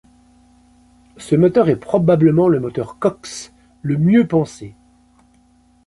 Ce moteur est probablement le moteur Cox le mieux pensé.